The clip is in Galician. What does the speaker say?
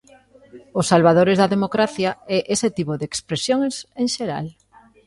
Os salvadores da democracia e ese tipo de expresións en xeral.